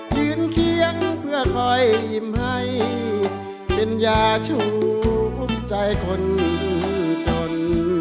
ยืนเคียงเพื่อคอยยิ้มให้เป็นยาชูภูมิใจคนจน